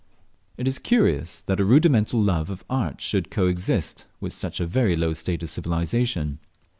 It is curious that a rudimental love of art should co exist with such a very low state of civilization.